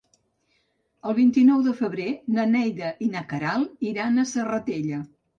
El vint-i-nou de febrer na Neida i na Queralt iran a la Serratella.